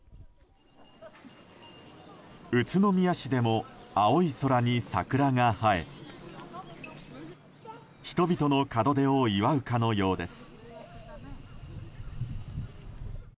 宇都宮市でも青い空に桜が映え人々の門出を祝うかのようです。